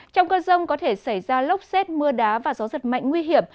trong cơn rông có thể xảy ra lốc xét mưa đá và gió giật mạnh nguy hiểm